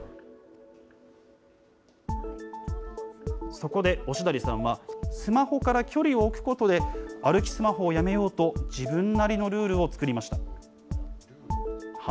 そこで忍足さんは、スマホから距離を置くことで、歩きスマホをやめようと、自分なりのルールを作りました。